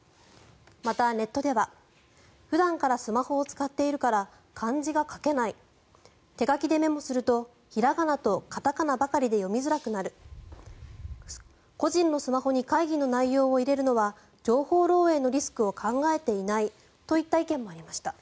また、ネットでは普段からスマホを使っているから漢字が書けない手書きでメモすると平仮名と片仮名ばかりで読みづらくなる個人のスマホに会議の内容を入れるのは情報漏えいのリスクを考えていないといった意見もありました。